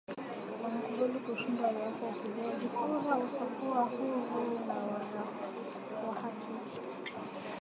Wamekubali kushindwa iwapo upigaji kura utakuwa huru na wa haki